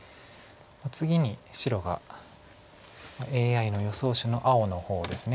次に白がＡＩの予想手の青の方です。